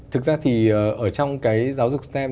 thực ra thì ở trong cái giáo dục stem